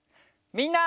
みんな。